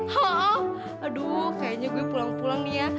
ho oh aduh kayaknya gua pulang pulang nih ya